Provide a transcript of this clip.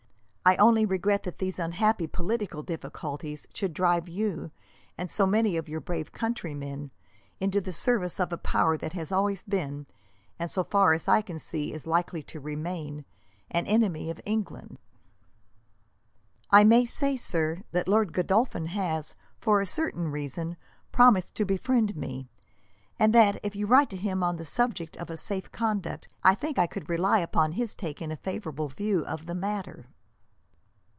I only regret that these unhappy political difficulties should drive you, and so many of your brave countrymen, into the service of a power that has always been, and so far as I can see is likely to remain, an enemy of England." "I may say, sir, that Lord Godolphin has, for a certain reason, promised to befriend me; and that, if you write to him on the subject of a safe conduct, I think I could rely upon his taking a favourable view of the matter."